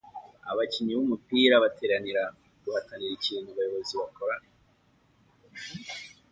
Abakinnyi b'umupira bateranira guhatanira ikintu abayobozi bakorana